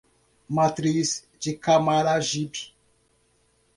Matriz de Camaragibe